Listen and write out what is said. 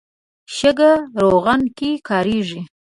شګه رغونه کې کارېږي.